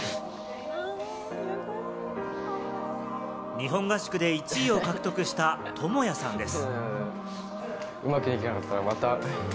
日本合宿で１位を獲得したトモヤさんです。